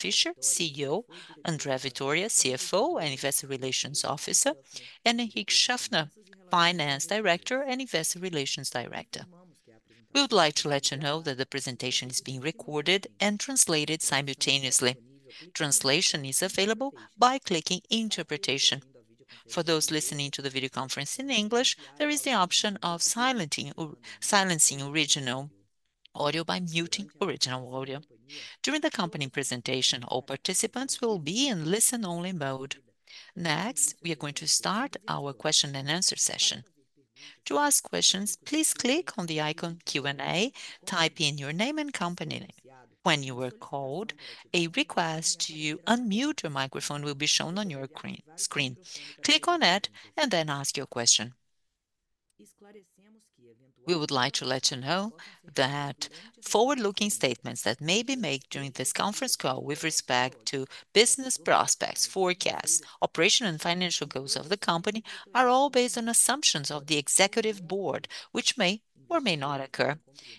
Fischer, CEO, André Vitória, CFO and Investor Relations Officer, and Enrique Schaffner, Finance Director and Investor Relations Director. We would like to let you know that the presentation is being recorded and translated simultaneously. Translation is available by clicking Interpretation. For those listening to the video conference in English, there is the option of silencing, or silencing original audio by muting original audio. During the company presentation, all participants will be in listen-only mode. Next, we are going to start our question and answer session. To ask questions, please click on the icon Q&A, type in your name and company name. When you are called, a request to you, unmute your microphone will be shown on your screen. Click on it, and then ask your question. We would like to let you know that forward-looking statements that may be made during this conference call with respect to business prospects, forecasts, operational and financial goals of the company, are all based on assumptions of the executive board, which may or may not occur.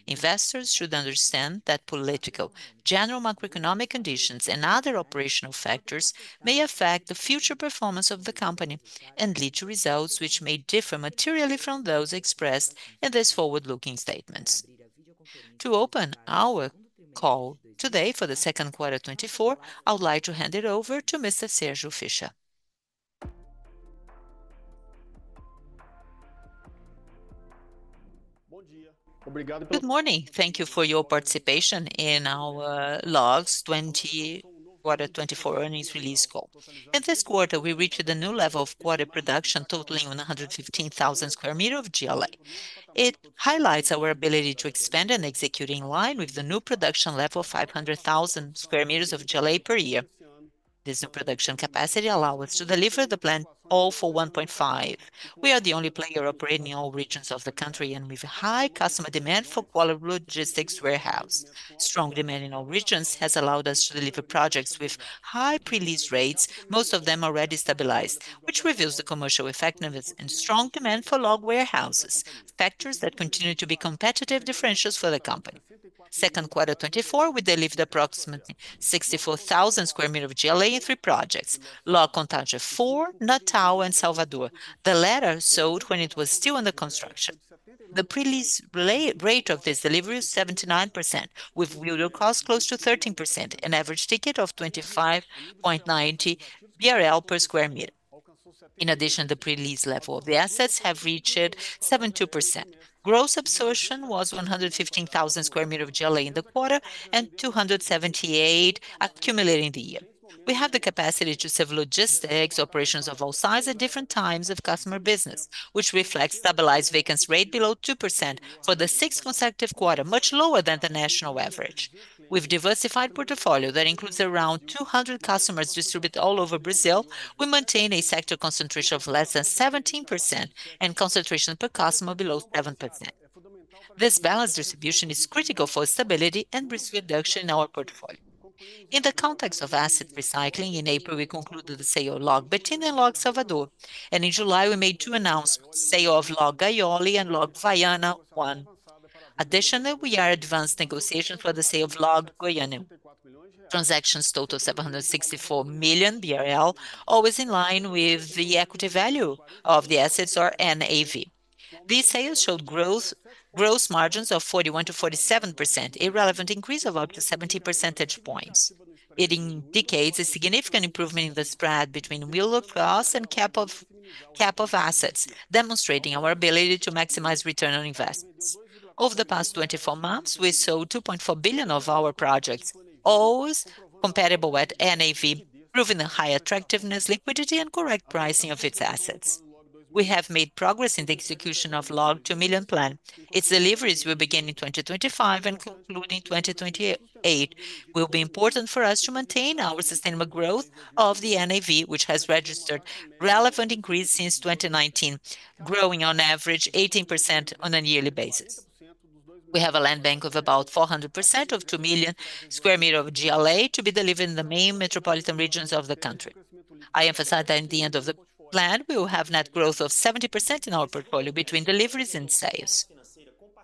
Investors should understand that political, general macroeconomic conditions, and other operational factors may affect the future performance of the company and lead to results which may differ materially from those expressed in this forward-looking statements. To open our call today for the second quarter 2024, I would like to hand it over to Mr. Sérgio Fischer. Good morning. Thank you for your participation in our LOG's quarter 2024 earnings release call. In this quarter, we reached a new level of quarter production, totaling 115,000 square meters of GLA. It highlights our ability to expand and execute in line with the new production level of 500,000 square meters of GLA per year. This new production capacity allow us to deliver the LOG plan for 1.5. We are the only player operating in all regions of the country and with high customer demand for quality logistics warehouses. Strong demand in all regions has allowed us to deliver projects with high pre-lease rates, most of them already stabilized, which reveals the commercial effectiveness and strong demand for LOG warehouses, factors that continue to be competitive differentiators for the company. Second quarter 2024, we delivered approximately 64,000 square meters of GLA in three projects: LOG Contagem IV, LOG Natal, and LOG Salvador. The latter sold when it was still under construction. The pre-lease rate of this delivery is 79%, with yield on cost close to 13%, an average ticket of 25.90 BRL per square meter. In addition, the pre-lease level of the assets have reached 72%. Gross absorption was 115,000 square meter of GLA in the quarter and 278 accumulating the year. We have the capacity to serve logistics, operations of all sizes at different times of customer business, which reflects stabilized vacancy rate below 2% for the sixth consecutive quarter, much lower than the national average. With diversified portfolio that includes around 200 customers distributed all over Brazil, we maintain a sector concentration of less than 17% and concentration per customer below 7%. This balanced distribution is critical for stability and risk reduction in our portfolio. In the context of asset recycling, in April, we concluded the sale of LOG Betim and LOG Salvador, and in July, we made two announcements: sale of LOG Gaiolli and LOG Viana I. Additionally, we are advanced negotiations for the sale of LOG Goiânia. Transactions total 764 million BRL, always in line with the equity value of the assets or NAV. These sales showed gross margins of 41%-47%, a relevant increase of up to 70 percentage points. It indicates a significant improvement in the spread between yield on cost and cap rate of assets, demonstrating our ability to maximize return on investments. Over the past 24 months, we sold 2.4 billion of our projects, always compatible with NAV, proving a high attractiveness, liquidity, and correct pricing of its assets. We have made progress in the execution of LOG 2 Million Plan. Its deliveries will begin in 2025 and conclude in 2028. It will be important for us to maintain our sustainable growth of the NAV, which has registered relevant increase since 2019, growing on average 18% on a yearly basis. We have a land bank of about 400% of 2 million square meters of GLA to be delivered in the main metropolitan regions of the country. I emphasize that in the end of the plan, we will have net growth of 70% in our portfolio between deliveries and sales.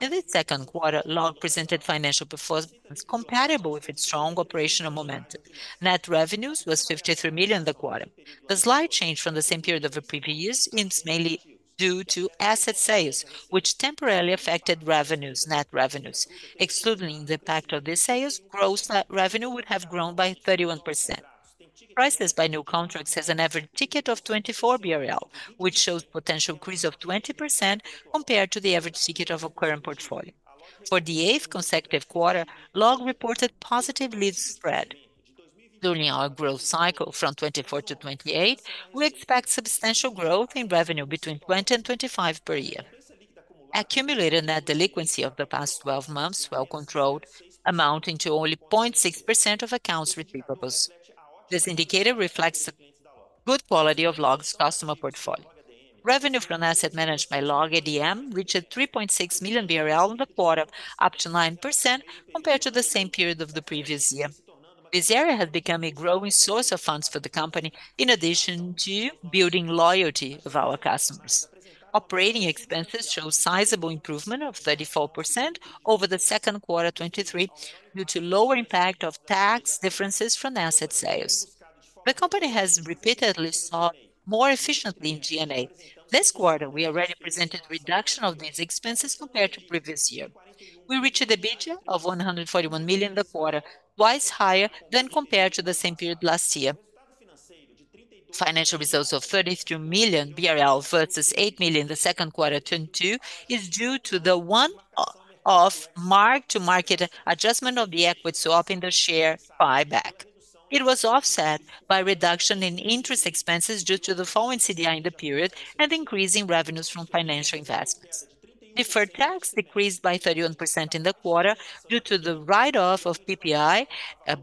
In the second quarter, LOG presented financial performance compatible with its strong operational momentum. Net revenues was 53 million in the quarter. The slight change from the same period of the previous years is mainly due to asset sales, which temporarily affected revenues, net revenues. Excluding the impact of the sales, gross revenue would have grown by 31%. Prices by new contracts has an average ticket of 24 BRL, which shows potential increase of 20% compared to the average ticket of our current portfolio. For the eighth consecutive quarter, LOG reported positive lease spread. During our growth cycle from 2024 to 2028, we expect substantial growth in revenue between 20 and 25 per year. Accumulated net delinquency of the past 12 months, well controlled, amounting to only 0.6% of accounts receivable. This indicator reflects the good quality of LOG's customer portfolio. Revenue from asset managed by LOG ADM, reached 3.6 million BRL in the quarter, up 9% compared to the same period of the previous year. This area has become a growing source of funds for the company, in addition to building loyalty of our customers. Operating expenses show sizable improvement of 34% over the second quarter 2023, due to lower impact of tax differences from asset sales. The company has repeatedly sought more efficiently in G&A. This quarter, we already presented reduction of these expenses compared to previous year. We reached a EBITDA of 141 million in the quarter, twice higher than compared to the same period last year. Financial results of 32 million BRL versus 8 million in the second quarter 2022 is due to the one-off mark-to-market adjustment of the equity swap in the share buyback. It was offset by reduction in interest expenses due to the fall in CDI in the period, and increasing revenues from financial investments. Deferred tax decreased by 31% in the quarter due to the write-off of PPI,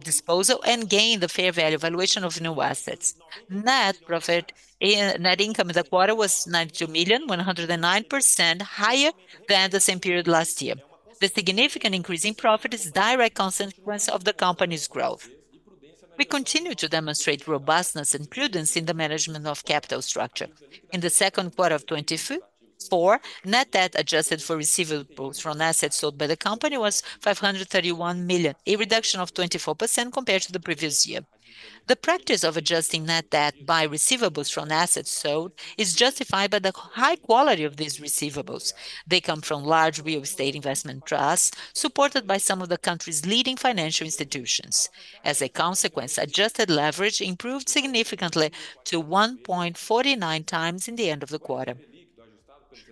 disposal, and gain the fair value valuation of new assets. Net income in the quarter was 92 million, 109% higher than the same period last year. The significant increase in profit is a direct consequence of the company's growth. We continue to demonstrate robustness and prudence in the management of capital structure. In the second quarter of 2024, net debt adjusted for receivables from assets sold by the company was 531 million, a reduction of 24% compared to the previous year. The practice of adjusting net debt by receivables from assets sold is justified by the high quality of these receivables. They come from large real estate investment trusts, supported by some of the country's leading financial institutions. As a consequence, adjusted leverage improved significantly to 1.49x in the end of the quarter.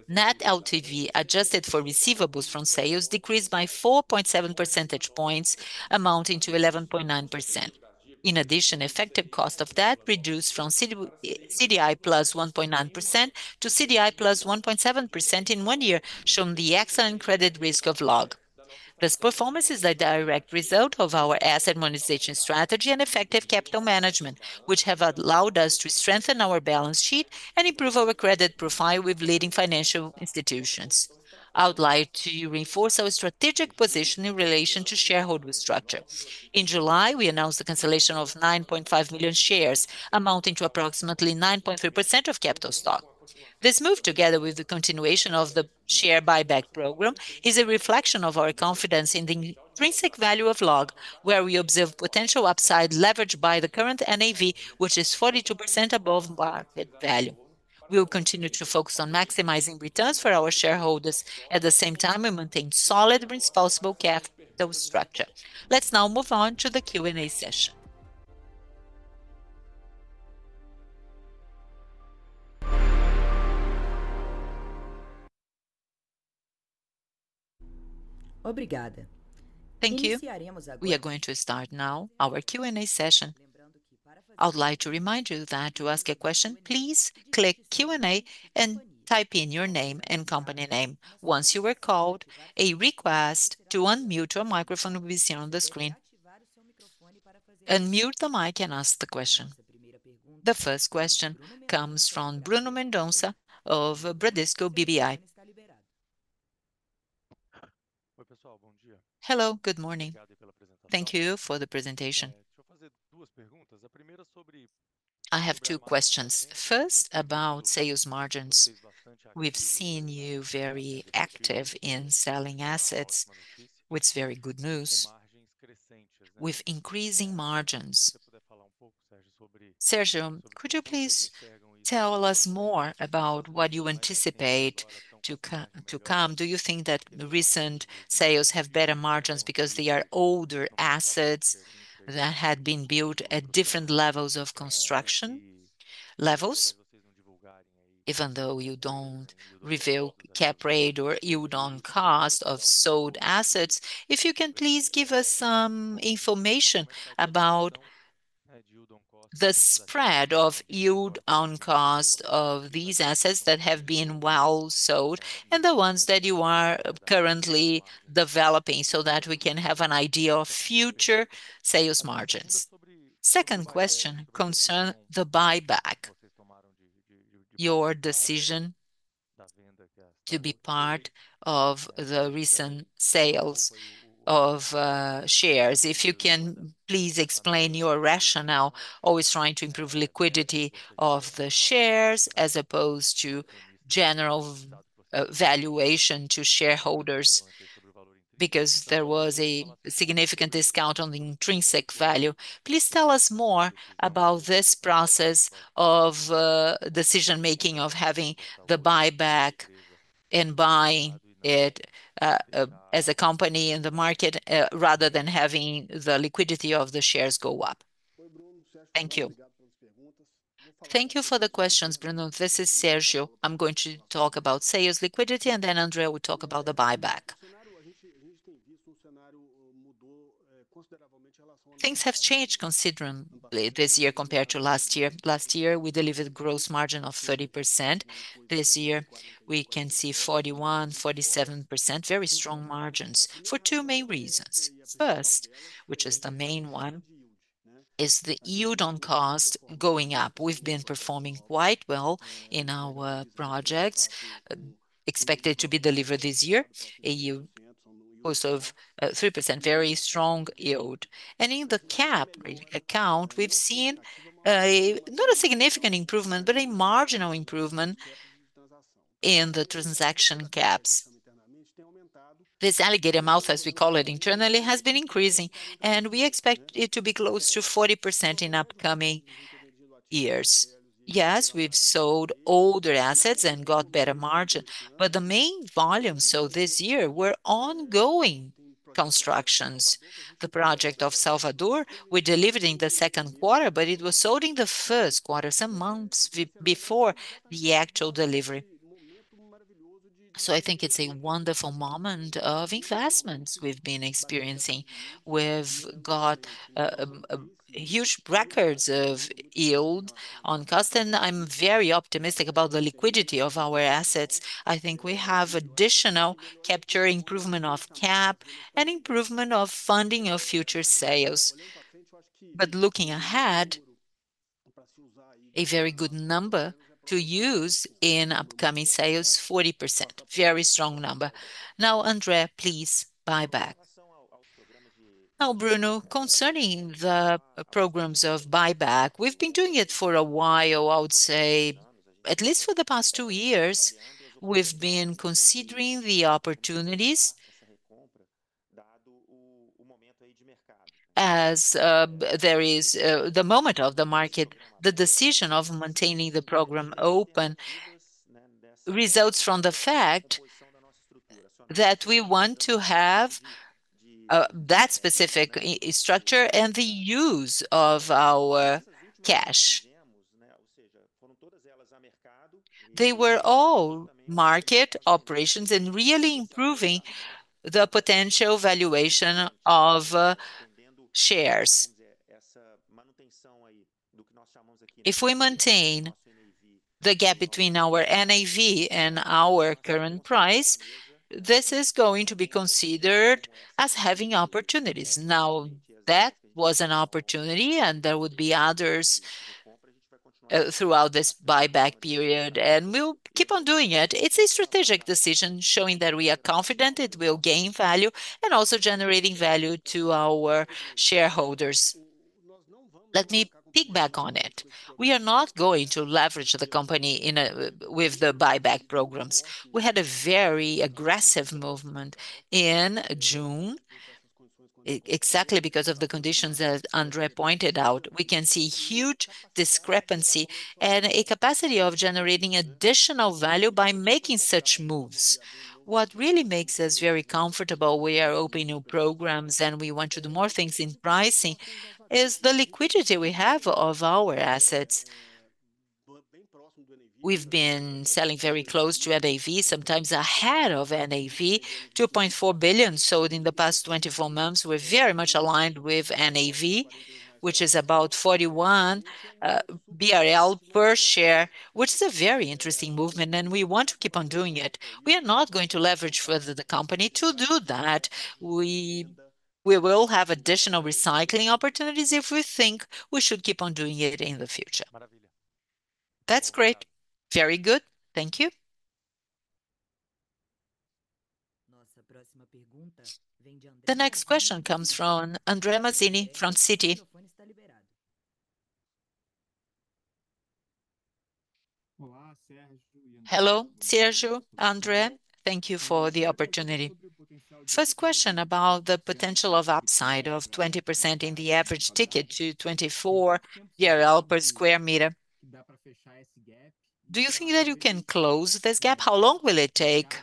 Net LTV, adjusted for receivables from sales, decreased by 4.7 percentage points, amounting to 11.9%. In addition, effective cost of debt reduced from CDI + 1.9% to CDI + 1.7% in one year, showing the excellent credit risk of LOG. This performance is a direct result of our asset monetization strategy and effective capital management, which have allowed us to strengthen our balance sheet and improve our credit profile with leading financial institutions. I would like to reinforce our strategic position in relation to shareholder structure. In July, we announced the cancellation of 9.5 million shares, amounting to approximately 9.3% of capital stock. This move, together with the continuation of the share buyback program, is a reflection of our confidence in the intrinsic value of LOG, where we observe potential upside leverage by the current NAV, which is 42% above market value. We will continue to focus on maximizing returns for our shareholders. At the same time, we maintain solid responsible capital structure. Let's now move on to the Q&A session. Thank you. We are going to start now our Q&A session. I would like to remind you that to ask a question, please click Q&A and type in your name and company name. Once you were called, a request to unmute your microphone will be seen on the screen. Unmute the mic and ask the question. The first question comes from Bruno Mendonça of Bradesco BBI. Hello, good morning. Thank you for the presentation. I have two questions. First, about sales margins. We've seen you very active in selling assets, which is very good news, with increasing margins. Sergio, could you please tell us more about what you anticipate to come? Do you think that the recent sales have better margins because they are older assets that had been built at different levels of construction levels? Even though you don't reveal Cap Rate or Yield on Cost of sold assets, if you can, please give us some information about the spread of Yield on Cost of these assets that have been well sold, and the ones that you are currently developing, so that we can have an idea of future sales margins. Second question concern the buyback. Your decision to be part of the recent sales of shares. If you can, please explain your rationale, always trying to improve liquidity of the shares as opposed to general, valuation to shareholders, because there was a significant discount on the intrinsic value. Please tell us more about this process of, decision-making, of having the buyback and buying it, as a company in the market, rather than having the liquidity of the shares go up. Thank you. Thank you for the questions, Bruno. This is Sérgio. I'm going to talk about sales liquidity, and then André will talk about the buyback. Things have changed considerably this year compared to last year. Last year, we delivered a gross margin of 30%. This year, we can see 41%-47%. Very strong margins for two main reasons. First, which is the main one, is the yield on cost going up. We've been performing quite well in our projects expected to be delivered this year, a yield on cost of 13%, very strong yield. In the cap rate, we've seen not a significant improvement, but a marginal improvement in the transaction cap rates. This alligator mouth, as we call it internally, has been increasing, and we expect it to be close to 40% in upcoming years. Yes, we've sold older assets and got better margin, but the main volume, so this year, were ongoing constructions. The project of Salvador, we delivered in the second quarter, but it was sold in the first quarter, some months before the actual delivery. So I think it's a wonderful moment of investments we've been experiencing. We've got a huge records of yield on cost, and I'm very optimistic about the liquidity of our assets. I think we have additional capture improvement of cap and improvement of funding of future sales. But looking ahead, a very good number to use in upcoming sales, 40%. Very strong number. Now, André, please, buyback. Now, Bruno, concerning the programs of buyback, we've been doing it for a while. I would say, at least for the past two years, we've been considering the opportunities as there is the moment of the market. The decision of maintaining the program open results from the fact that we want to have that specific structure and the use of our cash. They were all market operations and really improving the potential valuation of shares. If we maintain the gap between our NAV and our current price, this is going to be considered as having opportunities. Now, that was an opportunity, and there would be others throughout this buyback period, and we'll keep on doing it. It's a strategic decision, showing that we are confident it will gain value, and also generating value to our shareholders. Let me piggyback on it. We are not going to leverage the company with the buyback programs. We had a very aggressive movement in June, exactly because of the conditions that André pointed out. We can see huge discrepancy and a capacity of generating additional value by making such moves. What really makes us very comfortable, we are opening new programs, and we want to do more things in pricing, is the liquidity we have of our assets. We've been selling very close to NAV, sometimes ahead of NAV, 2.4 billion. So in the past 24 months, we're very much aligned with NAV, which is about 41 BRL per share, which is a very interesting movement, and we want to keep on doing it. We are not going to leverage further the company. To do that, we will have additional recycling opportunities if we think we should keep on doing it in the future. That's great. Very good. Thank you. The next question comes from André Mazini, from Citi. Hello, Sérgio, André. Thank you for the opportunity. First question about the potential of 20% upside in the average ticket to 24 BRL per sq m. Do you think that you can close this gap? How long will it take?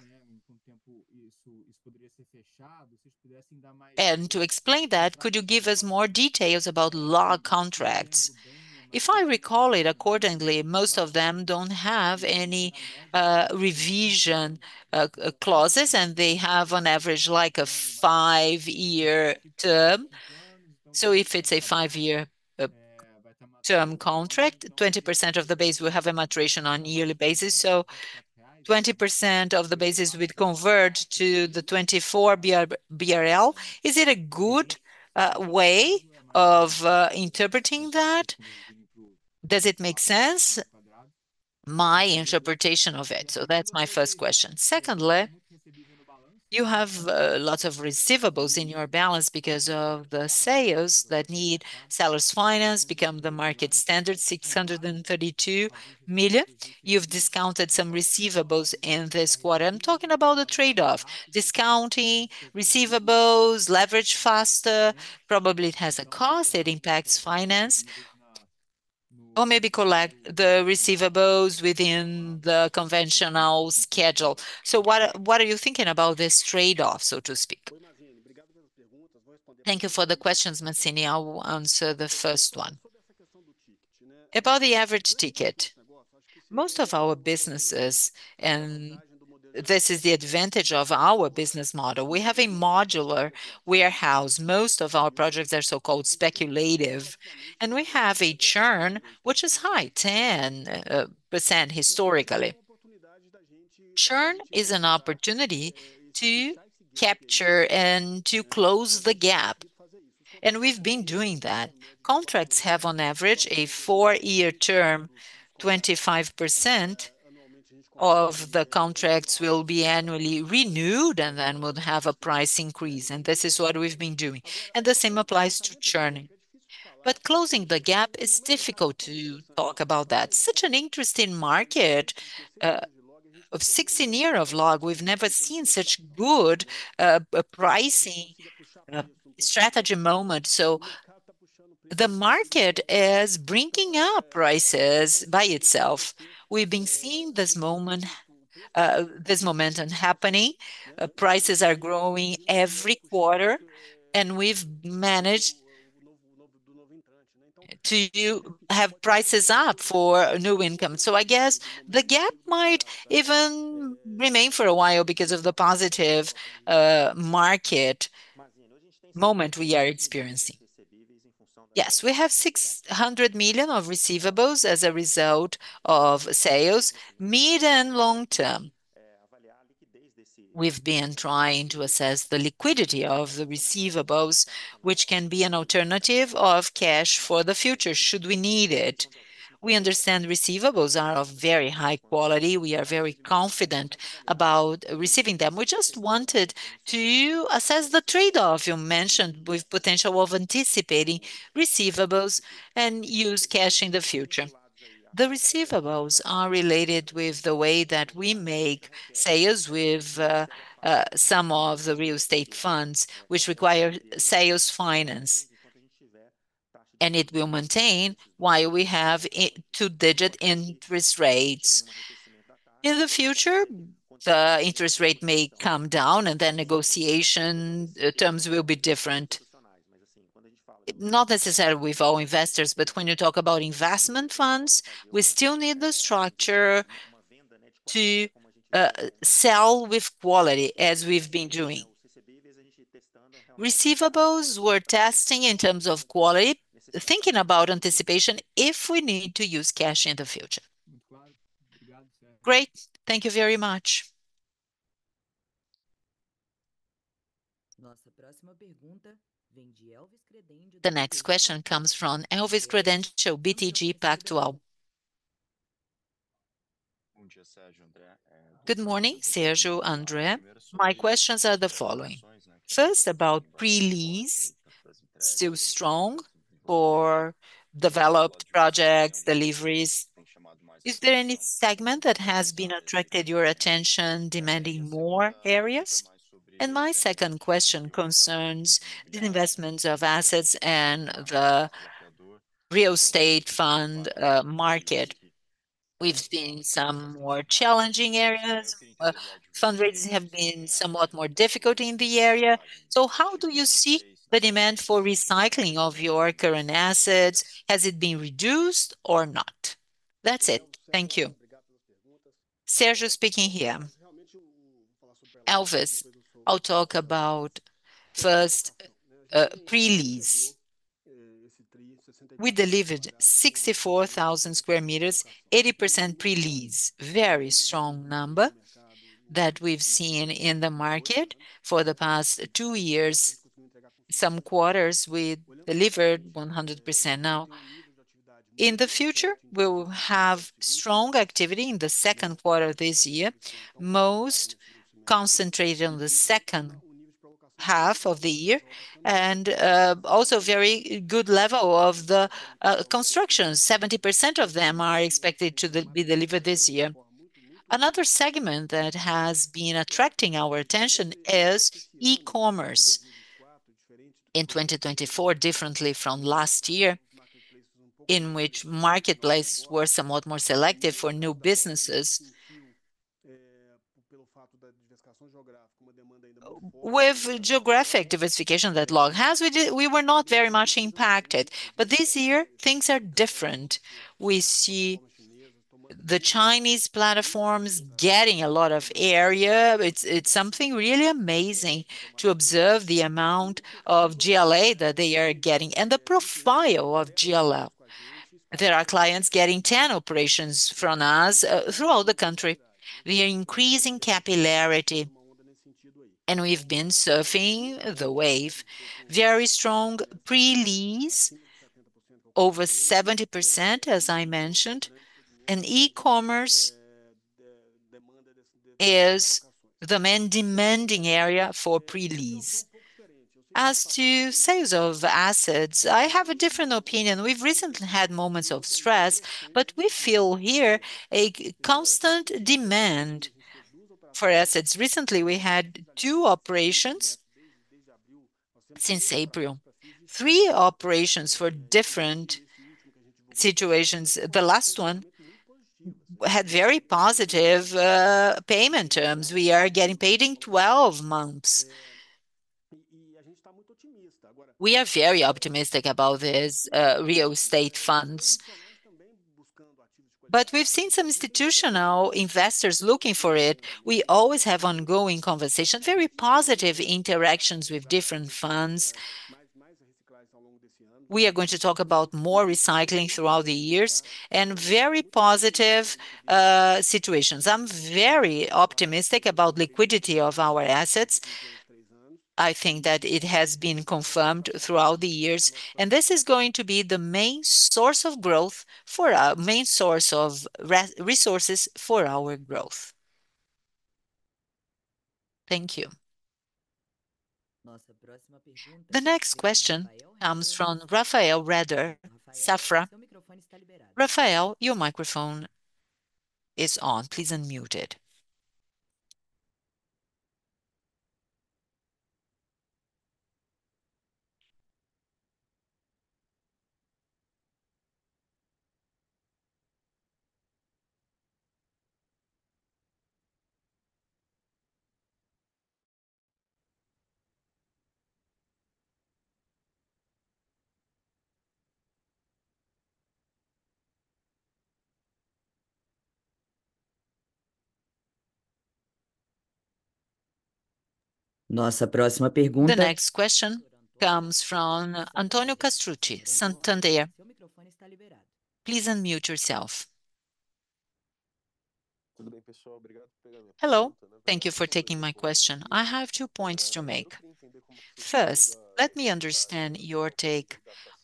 And to explain that, could you give us more details about LOG contracts? If I recall it accordingly, most of them don't have any revision clauses, and they have on average, like a five-year term. So if it's a five-year term contract, 20% of the base will have a maturation on a yearly basis, so 20% of the bases would convert to the 24 BRL. Is it a good way of interpreting that? Does it make sense, my interpretation of it? So that's my first question. Secondly, you have lots of receivables in your balance because of the sales that need sellers finance, become the market standard, 632 million. You've discounted some receivables in this quarter. I'm talking about the trade-off, discounting receivables, leverage faster. Probably it has a cost, it impacts finance, or maybe collect the receivables within the conventional schedule. So what are, what are you thinking about this trade-off, so to speak? Thank you for the questions, Mazini. I will answer the first one. About the average ticket, most of our businesses, and this is the advantage of our business model, we have a modular warehouse. Most of our projects are so-called speculative, and we have a churn, which is high, 10%, historically. Churn is an opportunity to capture and to close the gap, and we've been doing that. Contracts have, on average, a four-year term. 25% of the contracts will be annually renewed, and then we'll have a price increase, and this is what we've been doing, and the same applies to churning. But closing the gap, it's difficult to talk about that. Such an interesting market of 16 years of LOG. We've never seen such good, pricing, strategy moment, so the market is bringing up prices by itself. We've been seeing this moment, this momentum happening. Prices are growing every quarter, and we've managed to have prices up for new income. So I guess the gap might even remain for a while because of the positive, market moment we are experiencing. Yes, we have 600 million of receivables as a result of sales, mid and long term. We've been trying to assess the liquidity of the receivables, which can be an alternative of cash for the future, should we need it. We understand receivables are of very high quality. We are very confident about receiving them. We just wanted to assess the trade-off you mentioned with potential of anticipating receivables and use cash in the future. The receivables are related with the way that we make sales with some of the real estate funds, which require sales finance, and it will maintain while we have a two-digit interest rates. In the future, the interest rate may come down, and then negotiation terms will be different. Not necessarily with all investors, but when you talk about investment funds, we still need the structure to sell with quality, as we've been doing. Receivables, we're testing in terms of quality, thinking about anticipation if we need to use cash in the future. Great. Thank you very much. The next question comes from Elvis Credendio, BTG Pactual. Good morning, Sérgio, André. My questions are the following: First, about pre-lease, still strong or developed projects, deliveries. Is there any segment that has been attracted your attention, demanding more areas? My second question concerns the investments of assets and the real estate fund market. We've seen some more challenging areas fundraising have been somewhat more difficult in the area. So how do you see the demand for recycling of your current assets? Has it been reduced or not? That's it. Thank you. Sérgio speaking here. Elvis, I'll talk about first pre-lease. We delivered 64,000 square meters, 80% pre-lease. Very strong number that we've seen in the market for the past two years. Some quarters, we delivered 100%. Now, in the future, we will have strong activity in the second quarter of this year, most concentrated on the second half of the year, and also very good level of the construction. 70% of them are expected to be delivered this year. Another segment that has been attracting our attention is e-commerce. In 2024, differently from last year, in which marketplace were somewhat more selective for new businesses, with geographic diversification that LOG has, we were not very much impacted. But this year, things are different. We see the Chinese platforms getting a lot of area. It's something really amazing to observe the amount of GLA that they are getting and the profile of GLA. There are clients getting 10 operations from us throughout the country. We are increasing capillarity, and we've been surfing the wave. Very strong pre-lease, over 70%, as I mentioned, and e-commerce is the main demanding area for pre-lease. As to sales of assets, I have a different opinion. We've recently had moments of stress, but we feel here a constant demand for assets. Recently, we had two operations since April. Three operations for different situations. The last one had very positive payment terms. We are getting paid in 12 months. We are very optimistic about this real estate funds, but we've seen some institutional investors looking for it. We always have ongoing conversations, very positive interactions with different funds. We are going to talk about more recycling throughout the years and very positive situations. I'm very optimistic about liquidity of our assets. I think that it has been confirmed throughout the years, and this is going to be the main source of resources for our growth. Thank you. The next question comes from Rafael Rehder, Safra. Rafael, your microphone is on. Please unmute it. The next question comes from Antonio Castrucci, Santander. Please unmute yourself. Hello. Thank you for taking my question. I have two points to make. First, let me understand your take on the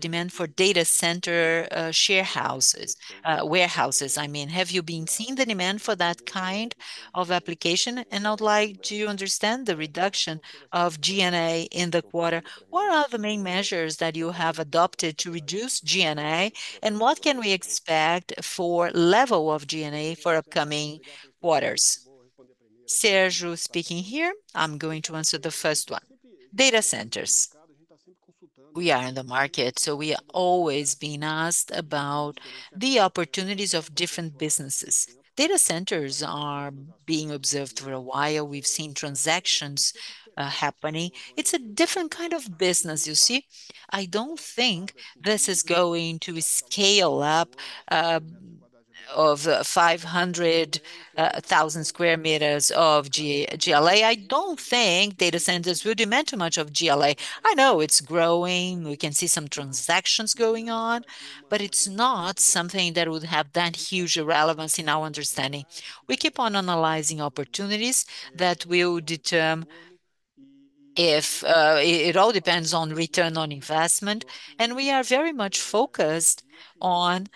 demand for data center, sharehouses, warehouses, I mean. Have you been seeing the demand for that kind of application? And I'd like to understand the reduction of G&A in the quarter. What are the main measures that you have adopted to reduce G&A, and what can we expect for level of G&A for upcoming quarters? Sérgio speaking here. I'm going to answer the first one. Data centers. We are in the market, so we are always being asked about the opportunities of different businesses. Data centers are being observed for a while. We've seen transactions, happening. It's a different kind of business, you see? I don't think this is going to scale up of 500,000 square meters of GLA. I don't think data centers will demand too much of GLA. I know it's growing. We can see some transactions going on, but it's not something that would have that huge relevance in our understanding. We keep on analyzing opportunities that will determine if. It, it all depends on return on investment, and we are very much focused on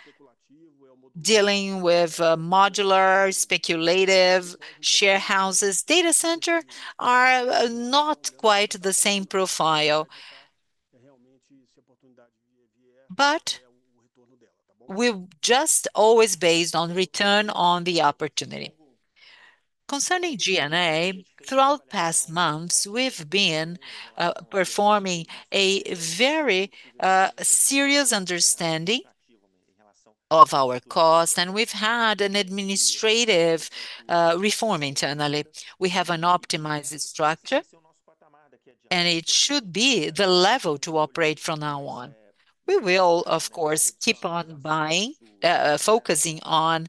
dealing with modular, speculative, warehouses. Data center are not quite the same profile. But we've just always based on return on the opportunity. Concerning G&A, throughout past months, we've been performing a very serious understanding of our cost, and we've had an administrative reform internally. We have an optimized structure, and it should be the level to operate from now on. We will, of course, keep on buying focusing on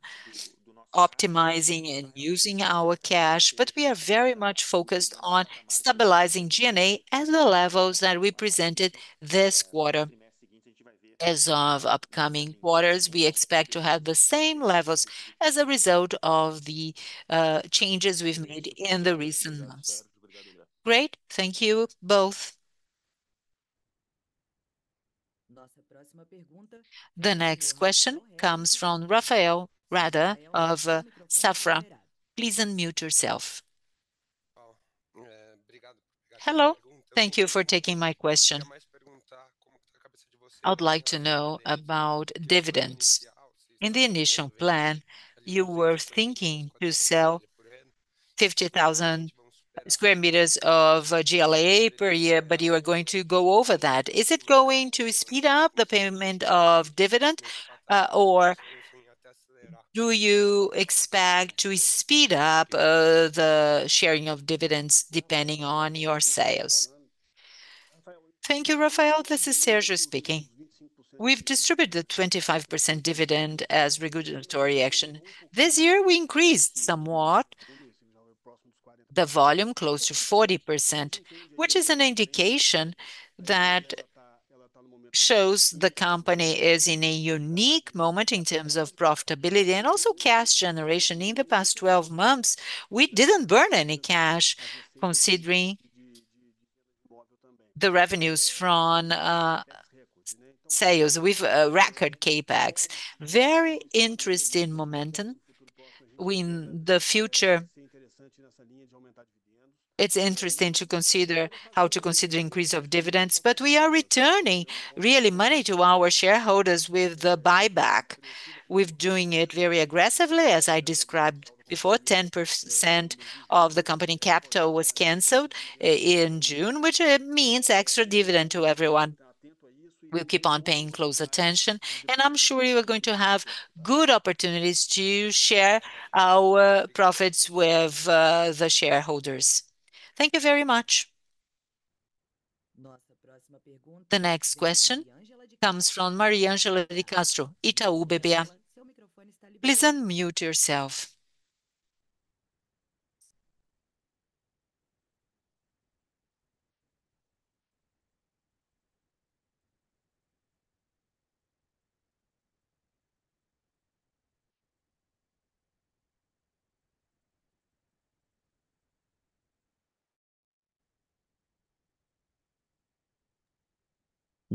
optimizing and using our cash, but we are very much focused on stabilizing G&A at the levels that we presented this quarter. As of upcoming quarters, we expect to have the same levels as a result of the changes we've made in the recent months. Great. Thank you both. The next question comes from Rafael Rehder of Safra. Please unmute yourself. Hello. Thank you for taking my question. I would like to know about dividends. In the initial plan, you were thinking to sell 50,000 square meters of GLA per year, but you are going to go over that. Is it going to speed up the payment of dividend, or do you expect to speed up the sharing of dividends depending on your sales? Thank you, Rafael. This is Sérgio speaking. We've distributed the 25% dividend as regulatory action. This year, we increased somewhat the volume close to 40%, which is an indication that shows the company is in a unique moment in terms of profitability and also cash generation. In the past 12 months, we didn't burn any cash, considering the revenues from sales with record CapEx. Very interesting momentum. We, in the future, it's interesting to consider how to consider increase of dividends, but we are returning really money to our shareholders with the buyback. We've doing it very aggressively, as I described before. 10% of the company capital was canceled in June, which means extra dividend to everyone. We'll keep on paying close attention, and I'm sure you are going to have good opportunities to share our profits with the shareholders. Thank you very much. The next question comes from Mariangela de Castro, Itaú BBA. Please unmute yourself.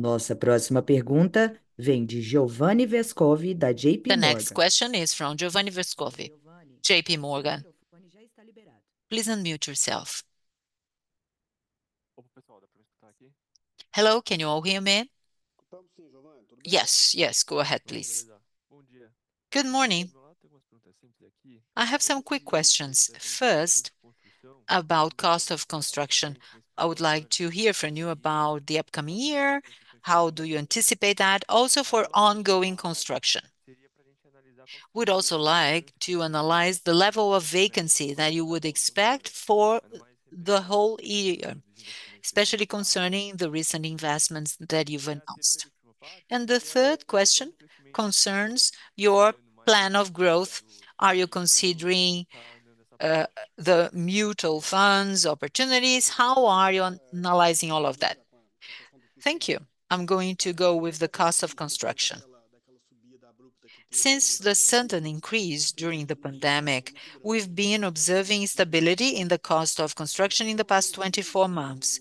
Nossa próxima pergunta vem de Giovanni Vescovi, da JP Morgan. The next question is from Giovanni Vescovi, JP Morgan. Please unmute yourself. Hello, can you hear me? Yes, yes, go ahead, please. Good morning. I have some quick questions. First, about cost of construction. I would like to hear from you about the upcoming year. How do you anticipate that? Also, for ongoing construction. Would also like to analyze the level of vacancy that you would expect for the whole year, especially concerning the recent investments that you've announced. And the third question concerns your plan of growth. Are you considering the mutual funds opportunities? How are you analyzing all of that? Thank you. I'm going to go with the cost of construction. Since the sudden increase during the pandemic, we've been observing stability in the cost of construction in the past 24 months.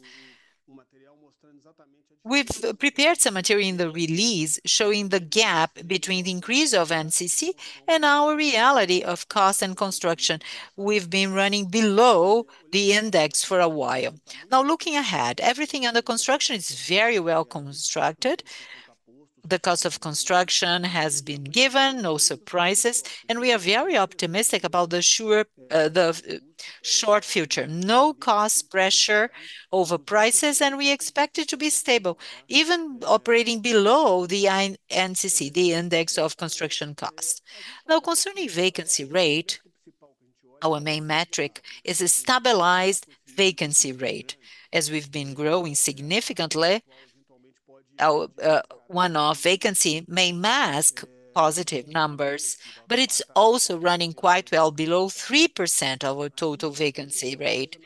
We've prepared some material in the release, showing the gap between the increase of INCC and our reality of cost and construction. We've been running below the index for a while. Now, looking ahead, everything under construction is very well constructed. The cost of construction has been given, no surprises, and we are very optimistic about the sure, the short future. No cost pressure over prices, and we expect it to be stable, even operating below the INCC, the index of construction cost. Now, concerning vacancy rate, our main metric is a stabilized vacancy rate. As we've been growing significantly, our, one-off vacancy may mask positive numbers, but it's also running quite well below 3% of our total vacancy rate.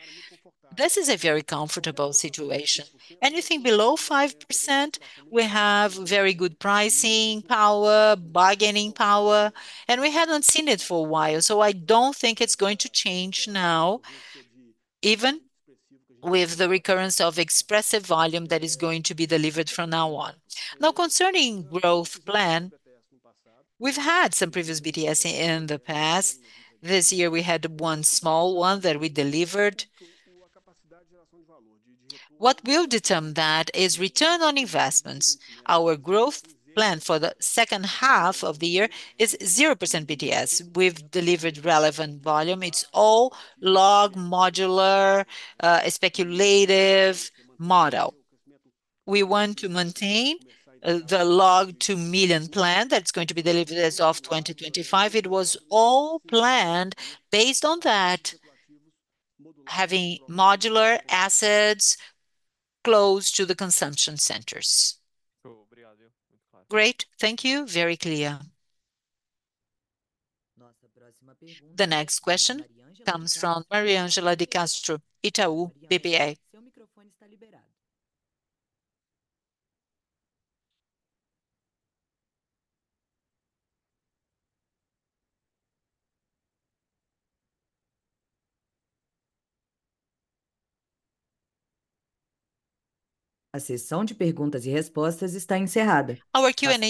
This is a very comfortable situation. Anything below 5%, we have very good pricing power, bargaining power, and we hadn't seen it for a while, so I don't think it's going to change now, even with the recurrence of expressive volume that is going to be delivered from now on. Now, concerning growth plan, we've had some previous BTS in the past. This year, we had one small one that we delivered. What will determine that is return on investments. Our growth plan for the second half of the year is 0% BTS. We've delivered relevant volume. It's all LOG, modular, speculative model. We want to maintain, the LOG 2 Million Plan that's going to be delivered as of 2025. It was all planned based on that, having modular assets close to the consumption centers. Great. Thank you. Very clear. The next question comes from Mariangela de Castro, Itaú BBA. Our Q&A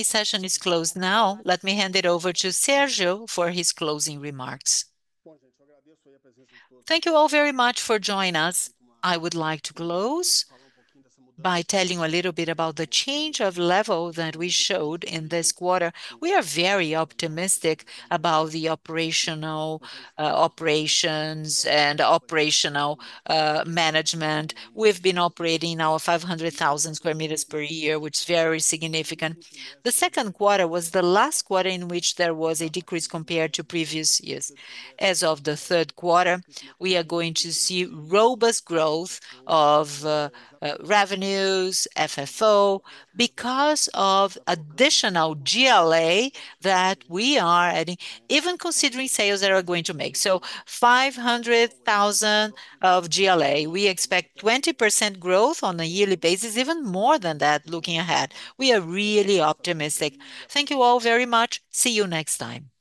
session is closed now. Let me hand it over to Sergio for his closing remarks. Thank you all very much for joining us. I would like to close by telling you a little bit about the change of level that we showed in this quarter. We are very optimistic about the operational, operations and operational, management. We've been operating now 500,000 square meters per year, which is very significant. The second quarter was the last quarter in which there was a decrease compared to previous years. As of the third quarter, we are going to see robust growth of revenues, FFO, because of additional GLA that we are adding, even considering sales that we're going to make. So 500,000 of GLA, we expect 20% growth on a yearly basis, even more than that, looking ahead. We are really optimistic. Thank you all very much. See you next time.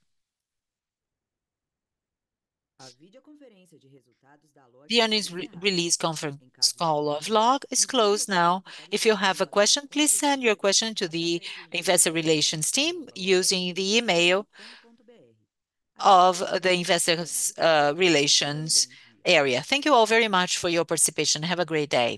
The earnings release conference call of LOG is closed now. If you have a question, please send your question to the investor relations team, using the email of the investors relations area. Thank you all very much for your participation. Have a great day!